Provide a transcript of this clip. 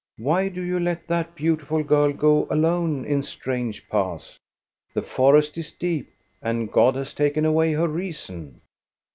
Why do you let that beautiful girl go alone in strange paths? The forest is deep, and God has taken away her reason."